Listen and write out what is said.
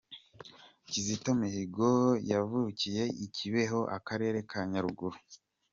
Kizito Mihigo yavukiye i Kibeho , Akarere ka Nyaruguru.